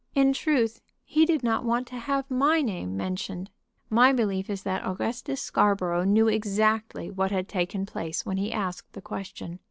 In truth, he did not want to have my name mentioned. My belief is that Augustus Scarborough knew exactly what had taken place when he asked the question.